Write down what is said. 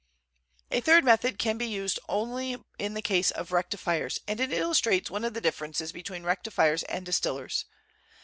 "A third method can be used only in the case of rectifiers and it illustrates one of the differences between rectifiers and distillers.